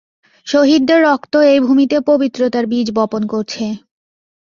শহীদদের রক্ত এই ভূমিতে পবিত্রতার বীজ বপন করছে।